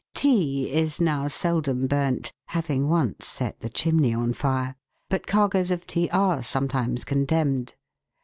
Tea is now seldom burnt, having once set the chimney on fire ; but cargoes of tea are sometimes condemned.